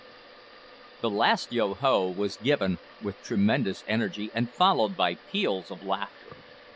The last "Yo ho!" was given with tremendous energy, and followed by peals of laughter.